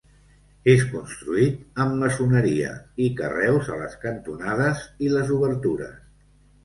És construït amb maçoneria i carreus a les cantonades i les obertures.